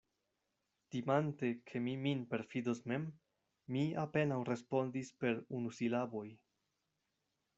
Timante, ke mi min perfidos mem, mi apenaŭ respondis per unusilaboj.